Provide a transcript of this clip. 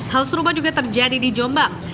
hal serupa juga terjadi di jombang